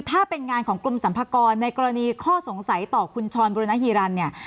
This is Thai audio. ถ้าเป็นงานของกรมสรรพากรในกรณีข้อสงสัยต่อคุณชรบุรณฮีรันดิเนี่ย